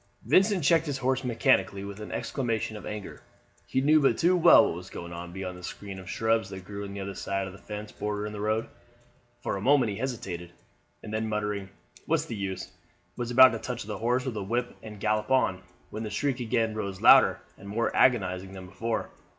Vincent checked his horse mechanically with an exclamation of anger. He knew but too well what was going on beyond the screen of shrubs that grew on the other side of the fence bordering the road. For a moment he hesitated, and then muttering, "What's the use!" was about to touch the horse with the whip and gallop on, when the shriek again rose louder and more agonizing than before.